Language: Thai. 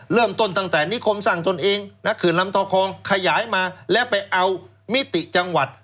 เริ่มต้นตั้งแต่นิคมสร้างตนเองนะเขื่อนลำทอคลองขยายมาและไปเอามิติจังหวัด